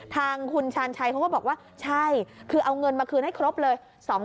ทางคุณชาญชัยเขาก็บอกว่าใช่คือเอาเงินมาคืนให้ครบเลย